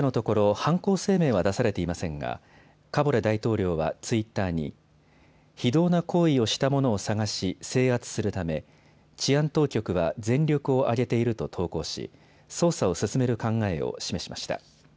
犯行声明は出されていませんがカボレ大統領はツイッターに非道な行為をした者を捜し制圧するため治安当局は全力を挙げていると投稿し、捜査を進める考えを示しました。